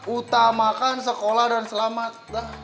utamakan sekolah dan selamat